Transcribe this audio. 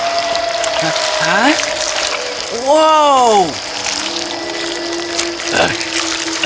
banyak hal mulai terjadi